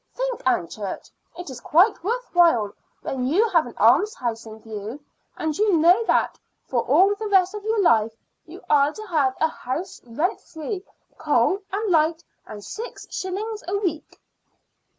Think, Aunt Church; it is quite worth while when you have an almshouse in view; and you know that for all the rest of your life you are to have a house rent free, coal and light, and six shillings a week."